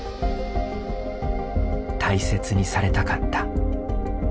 大切にされたかった。